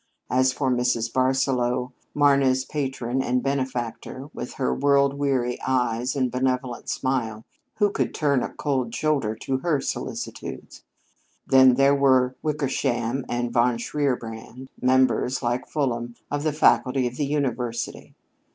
As for Mrs. Barsaloux, Marna's patron and benefactor, with her world weary eyes and benevolent smile, who could turn a cold shoulder to her solicitudes? Then there were Wickersham and Von Shierbrand, members, like Fulham, of the faculty of the University.